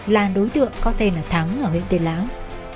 là đối tượng có tên là thắng ở huyện tiền lãng